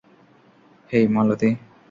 হেই, মালতী!